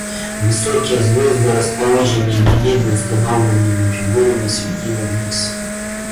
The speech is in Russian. Высокие звезды, расположенные на небе установленными фигурами, светили вниз.